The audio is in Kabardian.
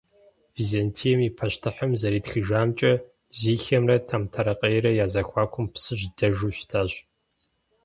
Византием и пащтыхьым зэритхыжамкӏэ, Зихиемрэ Тэмтэрэкъеймрэ я зэхуакум Псыжь дэжу щытащ.